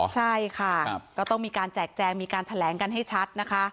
ใช่ค่ะก็ต้องมีการแจกแจงมีการแถลงกันให้ชัดนะคะ